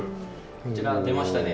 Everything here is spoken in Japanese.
こちら、出ましたね。